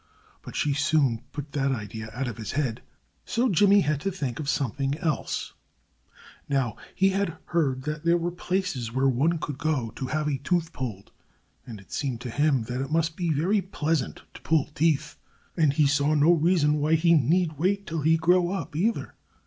But she soon put that idea out of his head. So Jimmy had to think of something else. [Illustration: Jimmy Rabbit hurts Frisky Squirrel] Now, he had heard that there were places where one could go to have a tooth pulled. And it seemed to him that it must be very pleasant to pull teeth. And he saw no reason why he need wait till he grew up, either.